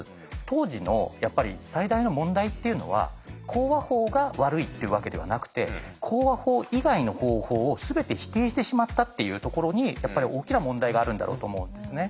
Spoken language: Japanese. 当時のやっぱり最大の問題っていうのは口話法が悪いっていうわけではなくて口話法以外の方法を全て否定してしまったっていうところにやっぱり大きな問題があるんだろうと思うんですね。